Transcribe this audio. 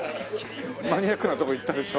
マニアックなとこいったでしょ？